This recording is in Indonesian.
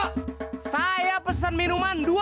oh saya pesen minuman dua